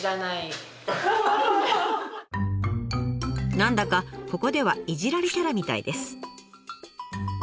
何だかここではいじられキャラみたいです。